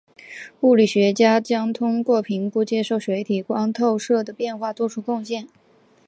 物理学家将通过评估接收水体光透射的变化做出贡献。